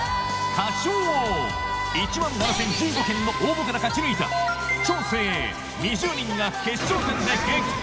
『歌唱王』１万７０１５件の応募から勝ち抜いた超精鋭２０人が決勝戦で激突